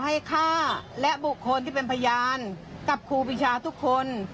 ให้ฆ่าและบุคคลที่เป็นพยานกับครูปีชาทุกคน